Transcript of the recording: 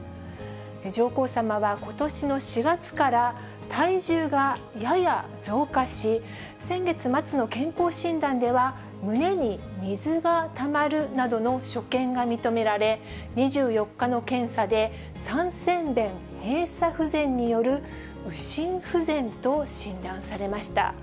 上皇さまはことしの４月から体重がやや増加し、先月末の健康診断では、胸に水がたまるなどの所見が認められ、２４日の検査で、三尖弁閉鎖不全による右心不全と診断されました。